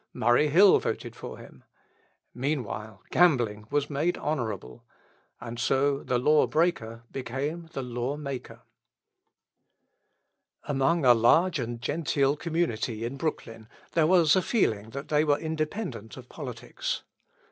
Murray Hill voted for him. Meanwhile gambling was made honourable. And so the law breaker became the law maker. Among a large and genteel community in Brooklyn there was a feeling that they were independent of politics.